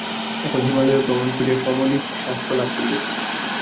এখন হিমালয়ে ভ্রমণ করিয়া সমধিক স্বাস্থ্য লাভ করিয়াছি।